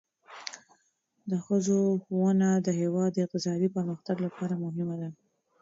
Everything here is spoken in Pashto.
د ښځو ښوونه د هیواد د اقتصادي پرمختګ لپاره مهمه ده.